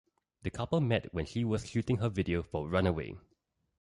The couple met when she was shooting the video for "Runaway".